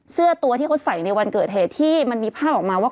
เสื้อตัวที่เขาใส่ในวันเกิดเหตุที่มันมีภาพออกมาว่า